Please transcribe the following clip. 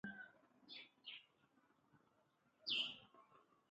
Their presence initially went undetected, although it did arouse suspicion.